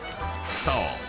［そう。